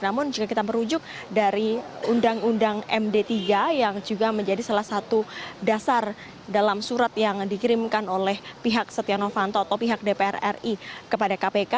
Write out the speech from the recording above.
namun jika kita merujuk dari undang undang md tiga yang juga menjadi salah satu dasar dalam surat yang dikirimkan oleh pihak setia novanto atau pihak dpr ri kepada kpk